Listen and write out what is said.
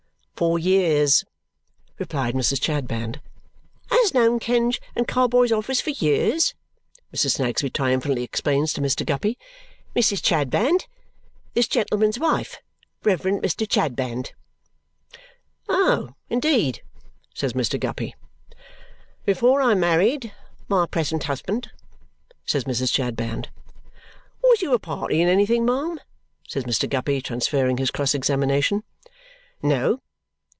"For years!" replied Mrs. Chadband. "Has known Kenge and Carboy's office for years," Mrs. Snagsby triumphantly explains to Mr. Guppy. "Mrs. Chadband this gentleman's wife Reverend Mr. Chadband." "Oh, indeed!" says Mr. Guppy. "Before I married my present husband," says Mrs. Chadband. "Was you a party in anything, ma'am?" says Mr. Guppy, transferring his cross examination. "No."